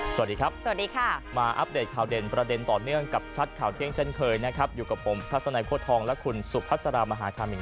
สวัสดีครับมาอัปเดตข่าวเด่นประเด็นต่อเนื่องกับชัดข่าวเที้ยงเช่นเคยอยู่กับผมทัศนโฮทองค์และคุณซุภัสรามหาคามิง